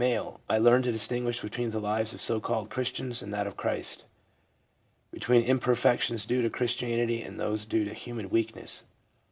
I learned to dis tinguish between the lives of so called Christians and that of Christ ; between imperfections due to Christianity and those due to human weakness.